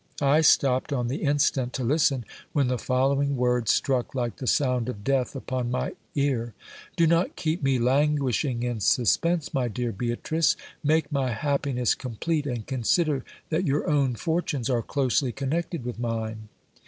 I stopped on the instant to listen, when the following words struck like the sound of death upon my ear : Do not keep me languishing in suspense, my dear Beatrice ; make my happiness complete, and consider that your own fortunes are closely connected with mine.